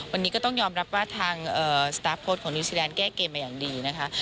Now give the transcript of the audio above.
วันนี้ก็ต้องยอมรับว่าทางสตาร์ฟโค้ดของนิวซีแดนแก้เกมมาอย่างดีนะคะ